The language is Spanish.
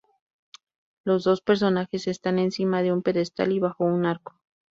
Los dos personajes están encima de un pedestal y bajo un arco.